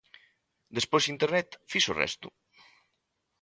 Despois Internet fixo o resto.